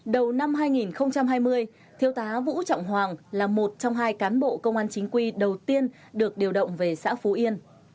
đầu năm hai nghìn hai mươi thiếu tá vũ trọng hoàng là một trong hai cán bộ công an chính quy đầu tiên được điều động về xã phú yên